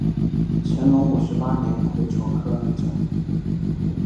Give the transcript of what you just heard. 乾隆五十八年癸丑科二甲。